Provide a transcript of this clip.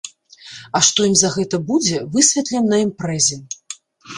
А што ім за гэта будзе, высветлім на імпрэзе!